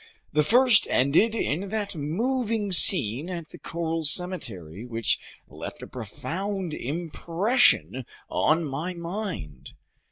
The first ended in that moving scene at the coral cemetery, which left a profound impression on my mind.